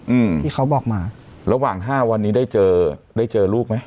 อืมที่เขาบอกมาระหว่างห้าวันนี้ได้เจอได้เจอลูกไหม